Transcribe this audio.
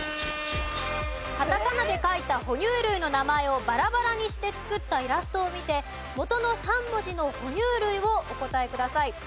カタカナで書いたほ乳類の名前をバラバラにして作ったイラストを見て元の３文字のほ乳類をお答えください。